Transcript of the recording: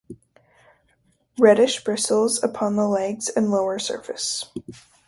Reddish bristles upon the legs and lower surface.